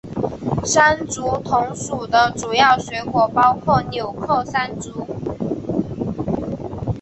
山竹同属的主要水果包括钮扣山竹。